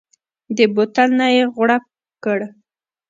د بوتل نه يې غړپ وکړ.